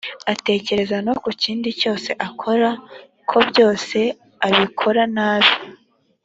atekereza no kukintu cyose akora kobyos abikora nabi